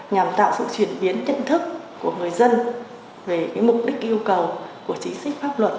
nhằm tạo sự chuyển biến nhận thức của người dân về mục đích yêu cầu của chính sách pháp luật